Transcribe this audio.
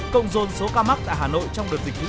cộng dồn số ca mắc tại hà nội trong đợt dịch thứ bốn